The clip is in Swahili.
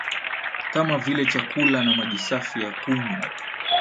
kama vile chakula na maji safi ya kunywa